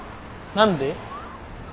何で？